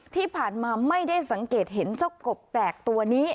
ที่ผ่านมาไม่ได้สังเกตเห็นเจ้ากบแปลกตัวนี้